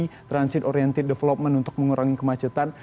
dan juga ada tod transit oriented development untuk mengurangi kemacetan